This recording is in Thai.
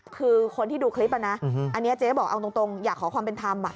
คือคนที่ดูคลิปนะอันนี้เจ๊บอกเอาตรงอยากขอความเป็นธรรม